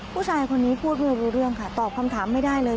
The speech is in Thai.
ผู้ชายคนนี้พูดไม่รู้เรื่องค่ะตอบคำถามไม่ได้เลย